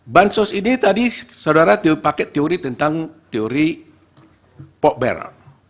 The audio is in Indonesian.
bansos ini tadi saudara pakai teori tentang teori pokber